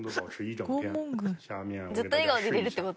ずっと笑顔でいられるって事？